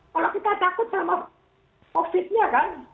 kalau kita takut sama covid nya kan